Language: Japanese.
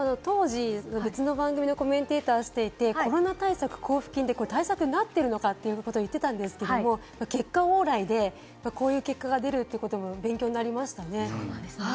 私は当時、別の番組でコメンテーターをしていてコロナ対策交付金でこれ対策になってるのか？っていうことを言ってたんですけど、結果オーライで、こういう結果が出るという勉強になりましたね。